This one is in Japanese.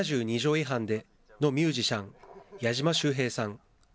違反でのミュージシャン、矢島秀平さん。